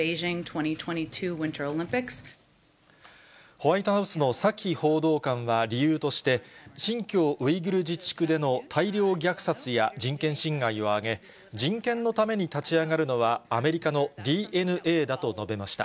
ホワイトハウスのサキ報道官は理由として、新疆ウイグル自治区での大量虐殺や人権侵害を挙げ、人権のために立ち上がるのはアメリカのＤＮＡだと述べました。